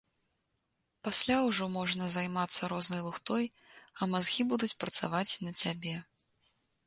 Пасля ўжо можна займацца рознай лухтой, а мазгі будуць працаваць на цябе.